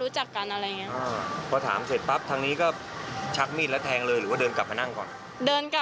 ใช่แกถามว่าถ่ายรูปเพราะอะไรอะไรอย่างนี้ค่ะ